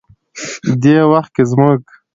دې وخت کې زموږ